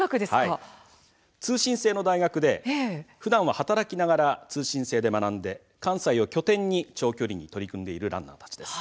通信制の大学でふだんは働きながら通信制で学んで関西を拠点に長距離に取り組んでいるランナーたちです。